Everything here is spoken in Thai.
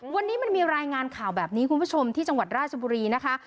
วันนี้มันมีรายงานข่าวแบบนี้คุณผู้ชมที่จังหวัดราชบุรีนะคะ